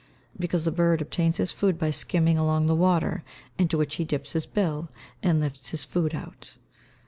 _ Because the bird obtains his food by skimming along the water, into which he dips his bill, and lifts his food out.